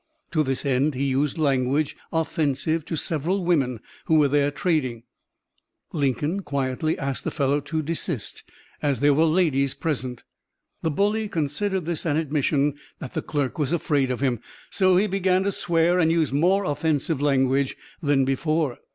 To this end he used language offensive to several women who were there trading. Lincoln quietly asked the fellow to desist as there were "ladies present." The bully considered this an admission that the clerk was afraid of him, so he began to swear and use more offensive language than before.